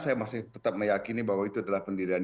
saya masih tetap meyakini bahwa itu adalah pendirian